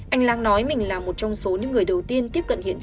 anh lan nói mình là một trong số những người đầu tiên tiếp cận hiện trình